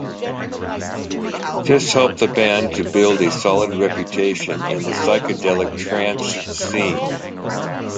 This helped the band to build a solid reputation in the Psychedelic Trance scene.